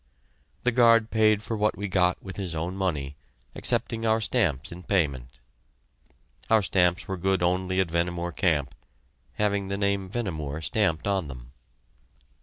The guard paid for what we got with his own money, accepting our stamps in payment. Our stamps were good only at Vehnemoor Camp, having the name "Vehnemoor" stamped on them.